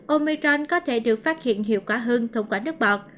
omicron có thể được phát hiện hiệu quả hơn thông qua nước bọt